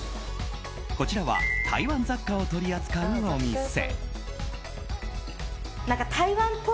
こちらは台湾雑貨を取り扱うお店。